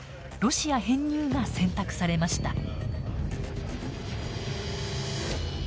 ロシア編入が選択されました。